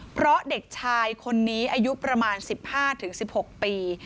เพราะเด็กชายคนนี้อายุประมาณ๑๕๑๖ปี